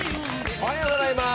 おはようございます